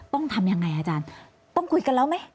ต้องทำยังไงอาจารย์ต้องคุยกันแล้วไหม